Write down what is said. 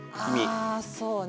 あそうね。